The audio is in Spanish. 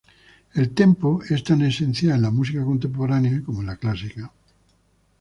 El "tempo" es tan esencial en la música contemporánea como en la clásica.